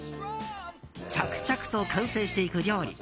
着々と完成していく料理。